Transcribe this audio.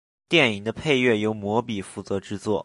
电影的配乐由魔比负责制作。